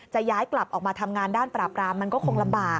ย้ายกลับออกมาทำงานด้านปราบรามมันก็คงลำบาก